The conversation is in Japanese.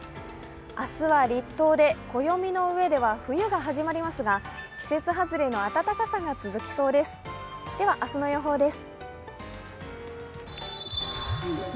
明日は立冬で、暦の上では冬が始まりますが、季節外れの暖かさが続きそうです。